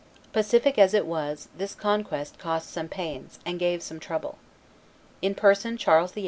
Pacific as it was, this conquest cost some pains, and gave some trouble. In person Charles VIII.